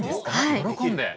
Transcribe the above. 喜んで。